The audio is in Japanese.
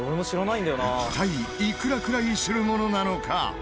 一体いくらくらいするものなのか？